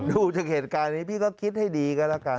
ดูจากเหตุการณ์นี้พี่ก็คิดให้ดีก็แล้วกัน